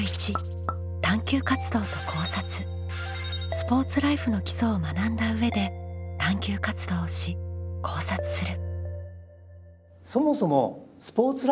スポーツライフの基礎を学んだ上で探究活動をし考察する。